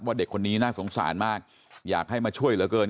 เด็กคนนี้น่าสงสารมากอยากให้มาช่วยเหลือเกิน